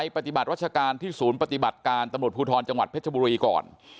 ปฏิบัติรัชการที่ศูนย์ปฏิบัติการตำรวจภูทรจังหวัดเพชรบุรีก่อน